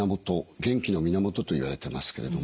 元気の源といわれてますけれども。